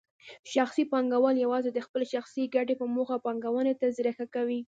شخصي پانګوال یوازې د خپلې شخصي ګټې په موخه پانګونې ته زړه ښه کوي.